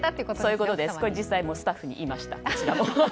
こちらも実際スタッフにもいました。